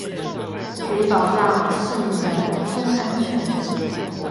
可以保障市民的人身安全